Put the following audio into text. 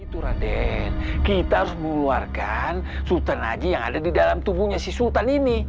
itu raden kita harus mengeluarkan sultan haji yang ada di dalam tubuhnya si sultan ini